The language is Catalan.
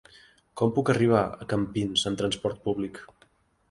Com puc arribar a Campins amb trasport públic?